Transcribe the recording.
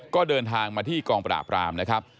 ก็เดินทางมาที่กองปราบรามนะครับ